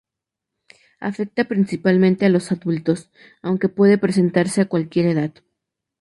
Afecta principalmente a los adultos, aunque puede presentarse a cualquier edad.